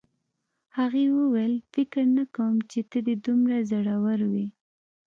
هغې وویل فکر نه کوم چې ته دې دومره زړور وې